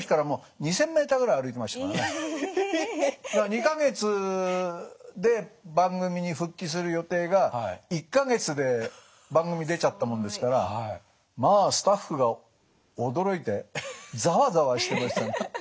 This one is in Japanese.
２か月で番組に復帰する予定が１か月で番組に出ちゃったもんですからまあスタッフが驚いてざわざわしてました。